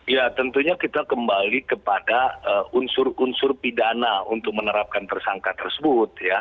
ya tentunya kita kembali kepada unsur unsur pidana untuk menerapkan tersangka tersebut ya